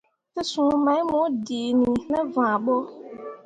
Tesũũ mai mo dǝǝni ne vããɓo.